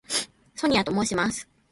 ソニアと申します。